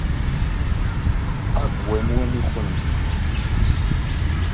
Ӏэгу уемыуэми хъунущ.